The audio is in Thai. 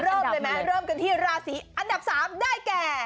เริ่มเลยไหมเริ่มกันที่ราศีอันดับ๓ได้แก่